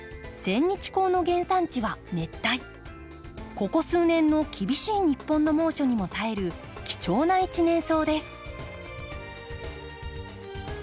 ここ数年の厳しい日本の猛暑にも耐える貴重な一年草です。